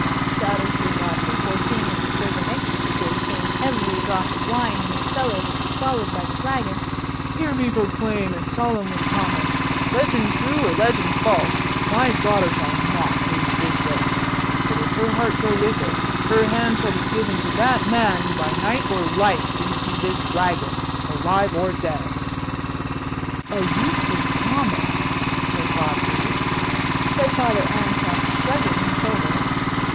shouted Sir Godfrey, foreseeing that before the next Crusade came every drop of wine in his cellar would be swallowed by the Dragon; "hear me proclaim and solemnly promise: legend true or legend false, my daughter shall not face this risk. But if her heart go with it, her hand shall be given to that man who by night or light brings me this Dragon, alive or dead!" [Illustration: Geoffrey replyeth with deplorable Flippancy to Father Anselm.] "A useless promise, Sir Godfrey!" said Father Anselm, shrugging his shoulders.